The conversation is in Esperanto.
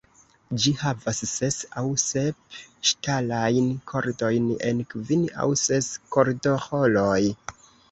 Ĝi havas ses aŭ sep ŝtalajn kordojn en kvin aŭ ses kordoĥoroj.